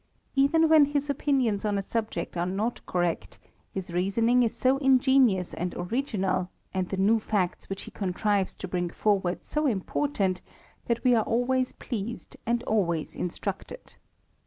Even when his opinions on a subject are not correct, his reasoning is so ingenious and original, and the new facts which he contrives to bring forward so important, that we are always pleased and always instructed.